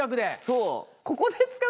そう。